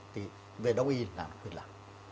thì về đồng ý là đồng ý làm